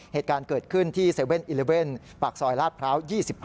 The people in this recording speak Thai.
เหตุการณ์เกิดขึ้นที่๗๑๑ปากซอยลาดพร้าว๒๕